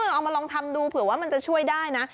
เอามาลองทำดูเผื่อว่ามันจะช่วยได้นะ